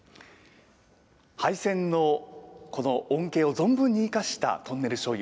廃線の恩恵を存分に生かしたトンネルしょうゆ。